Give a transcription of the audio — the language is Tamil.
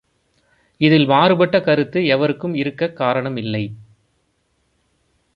இதில் மாறுபட்ட கருத்து எவருக்கும் இருக்கக் காரணமில்லை.